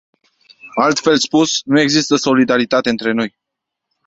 Altfel spus, nu există solidaritate între noi.